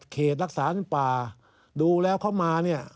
รักษาป่าดูแล้วเข้ามาเนี่ย